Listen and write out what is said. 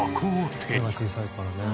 背が小さいからね。